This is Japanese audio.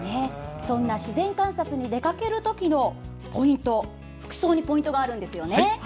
自然観察に出かけるときの服装にポイントがあるんですよね。